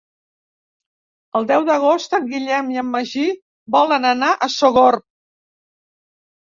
El deu d'agost en Guillem i en Magí volen anar a Sogorb.